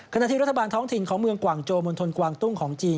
ที่รัฐบาลท้องถิ่นของเมืองกวางโจมณฑลกวางตุ้งของจีน